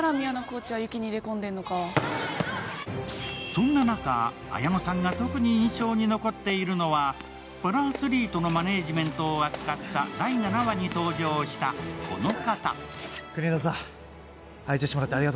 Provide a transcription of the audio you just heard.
そんな中、綾野さんが特に印象に残っているのは、パラアスリートのマネージメントを扱った第７話に登場した、この方。